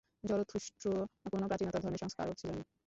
জরথুষ্ট্র কোন প্রাচীনতর ধর্মের সংস্কারক ছিলেন।